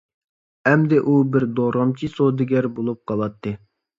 ئەمدى ئۇ بىر دورامچى سودىگەر بولۇپ قالاتتى.